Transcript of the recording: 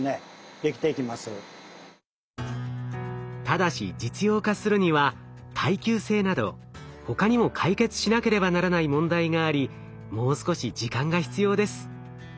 ただし実用化するには耐久性など他にも解決しなければならない問題がありもう少し時間が必要です。